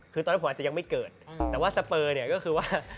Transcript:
คือตอนนั้นผมอาจจะยังไม่เกิดแต่ว่าสเปอร์เนี่ยก็คือว่า